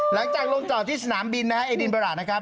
หลังจากลงจอดที่สนามบินไอดินเบลาระนะครับ